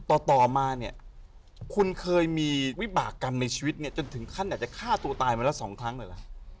ต่อมาเนี่ยคุณเคยมีวิบากรรมในชีวิตเนี่ยจนถึงขั้นอาจจะฆ่าตัวตายมาแล้วสองครั้งเลยล่ะ